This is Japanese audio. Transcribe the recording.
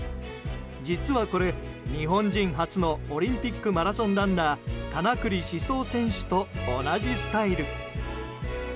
実はこれ、日本人初のオリンピックマラソンランナー金栗四三選手と同じスタイル。